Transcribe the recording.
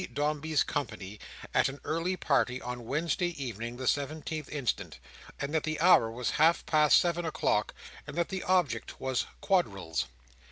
Dombey's company at an early party on Wednesday Evening the Seventeenth Instant; and that the hour was half past seven o'clock; and that the object was Quadrilles.